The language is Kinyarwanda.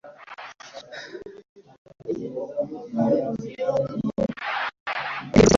Yakemuye ibyo bibazo byose byoroshye